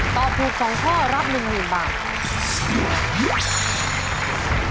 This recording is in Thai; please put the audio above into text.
ตอบถูก๒ข้อรับ๑๐๐๐บาท